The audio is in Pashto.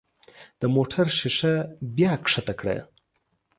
د موټر ښيښه بیا ښکته کړه.